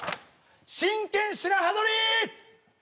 真剣白刃取り！